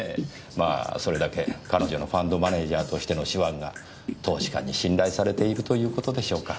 まあそれだけ彼女のファンドマネージャーとしての手腕が投資家に信頼されているという事でしょうか。